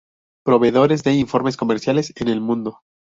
Proveedores de informes comerciales en el mundo